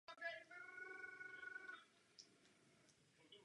Stěnu mezi kostelem a zvonicí zbořil.